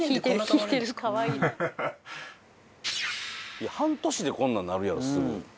「いや半年でこんなんなるやろすぐ」